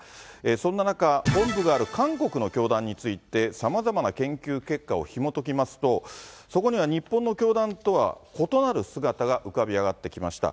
そんな中、本部がある韓国の教団について、さまざまな研究結果をひもときますと、そこには日本の教団とは異なる姿が浮かび上がってきました。